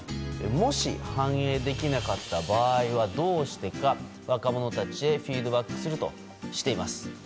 もし、反映できなかった場合はどうしてか若者たちへフィードバックするとしています。